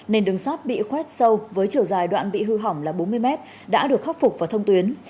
nền đường sát bị khoét sâu với chiều dài đoạn bị hư hỏng là bốn mươi mét đã được khắc phục và thông tuyến